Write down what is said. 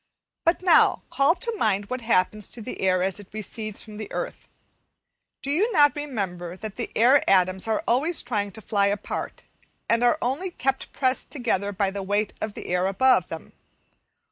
But now, call to mind what happens to the air as it recedes from the earth. Do you not remember that the air atoms are always trying to fly apart, and are only kept pressed together by the weight of air above them?